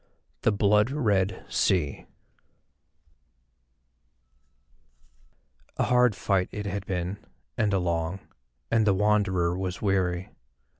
THE BLOOD RED SEA A hard fight it had been and a long, and the Wanderer was weary.